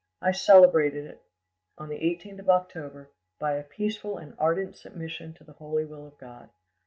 I celebrated it, on the 18th of October, by a peaceful and ardent submission to the holy will of God.